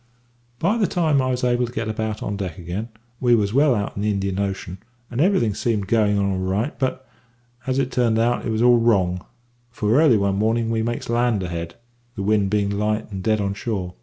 "By the time I was able to get about on deck again, we was well out in the Indian Ocean, and everything seemed going on all right; but, as it turned out, it was all wrong, for early one morning we makes land ahead, the wind bein' light and dead on shore.